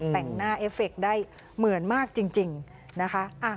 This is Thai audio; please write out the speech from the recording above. แต่งหน้าเอฟเฟคได้เหมือนมากจริงนะคะ